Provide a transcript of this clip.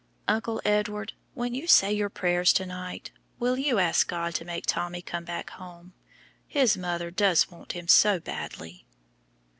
"Uncle Edward, when you say your prayers to night, will you ask God to make Tommy come back home? His mother does want him so badly."